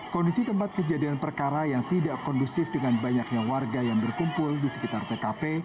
kondisi tempat kejadian perkara yang tidak kondusif dengan banyaknya warga yang berkumpul di sekitar tkp